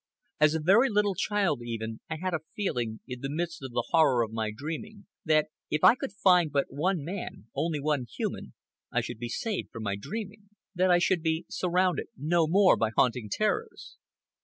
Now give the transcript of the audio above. As a very little child, even, I had a feeling, in the midst of the horror of my dreaming, that if I could find but one man, only one human, I should be saved from my dreaming, that I should be surrounded no more by haunting terrors.